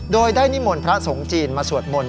โดยได้นิมนต์พระสงฆ์จีนมาสวดมนต์